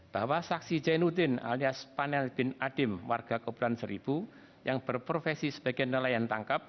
bahwa saksi jainuddin alias panel bin adim warga kepulauan seribu yang berprofesi sebagai nelayan tangkap